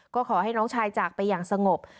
ก็ขอให้น้องชายจากไปอย่างสงบ